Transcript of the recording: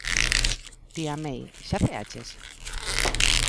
Tía May, xa ceaches?